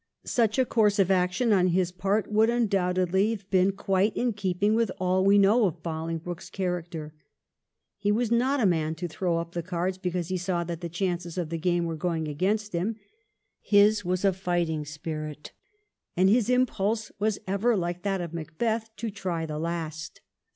Such a course of action on his part would undoubtedly have been quite in keeping with all that we know of Bohng broke's character. He was not a man to throw up the cards because he saw that the chances of the game were going against him. His was a fighting spirit, and his impulse was ever, like that of Macbeth, to try the last.